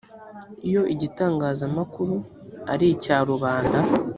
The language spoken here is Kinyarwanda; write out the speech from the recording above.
iyo igitangazamakuru ari icya rubanda